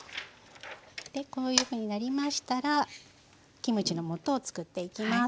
こういうふうになりましたらキムチのもとを作っていきます。